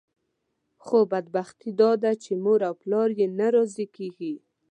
خو بدبختي داده چې مور او پلار یې نه راضي کېږي.